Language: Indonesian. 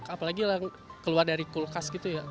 apalagi yang keluar dari kulkas gitu ya